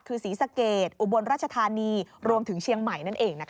คือศรีสะเกดอุบลราชธานีรวมถึงเชียงใหม่นั่นเอง